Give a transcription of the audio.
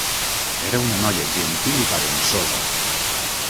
Era una noia gentil i parençosa.